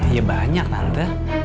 ya banyak tante